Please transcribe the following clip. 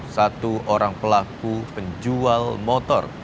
satu orang pelaku penjual motor